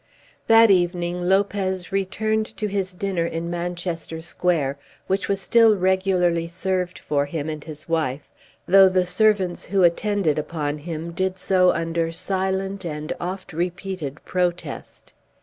That evening Lopez returned to his dinner in Manchester Square, which was still regularly served for him and his wife, though the servants who attended upon him did so under silent and oft repeated protest.